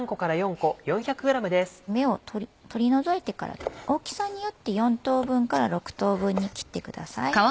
芽を取り除いてから大きさによって４等分から６等分に切ってください。